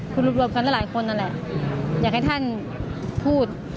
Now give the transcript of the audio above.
คือรวมกันหลายคนนั่นแหละอยากให้ท่านพูด